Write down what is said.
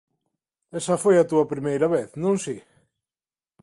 Esa foi a túa primeira vez, ¿non si?